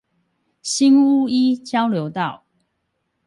新屋一交流道